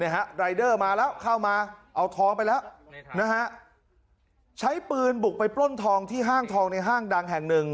รายเดอร์มาแล้วเข้ามาเอาทองไปแล้วใช้ปืนบุกไปปล้นทองที่ห้างทองในห้างดังแห่งหนึ่ง